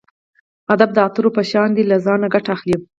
ادب د عطرو په شان دی له ځانه ګټه اخلئ.